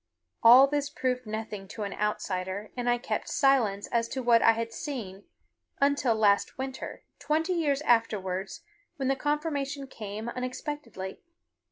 All this proved nothing to an outsider, and I kept silence as to what I had seen until last winter, twenty years afterwards, when the confirmation came unexpectedly.